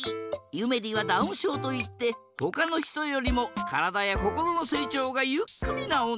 ゆめりはダウンしょうといってほかのひとよりもからだやこころのせいちょうがゆっくりなおんなのこ。